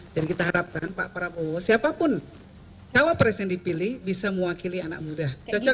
jadi kita harapkan pak prabowo siapapun cawapres yang dipilih bisa mewakili anak muda